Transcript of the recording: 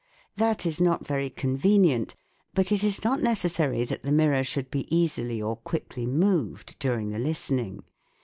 That is not very con venient, but it is not necessary that the mirror should be easily or quickly moved during the listening.